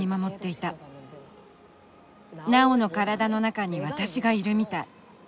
ナオの体の中に私がいるみたい。